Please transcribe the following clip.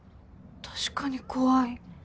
確かに怖い。